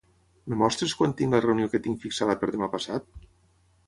Em mostres quan tinc la reunió que tinc fixada per demà passat?